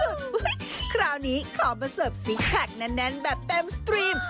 คราวนี้ขอมาเสิร์ฟซิกแพคแน่นแบบเต็มสตรีม